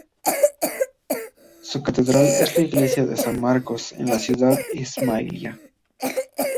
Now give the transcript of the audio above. Su catedral es la iglesia de "San Marcos" en la ciudad de Ismailia.